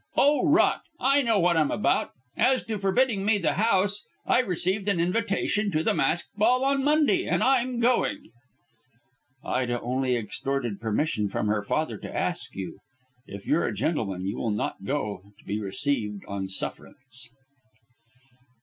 "Oh, rot. I know what I'm about. As to forbidding me the house, I received an invitation to the masked ball on Monday, and I'm going." "Ida only extorted permission from her father to ask you. If you're a gentleman you will not go to be received on sufferance."